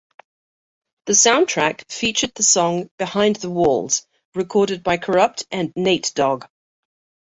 The soundtrack featured the song "Behind the Walls" recorded by Kurupt and Nate Dogg.